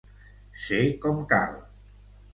Ser com cal.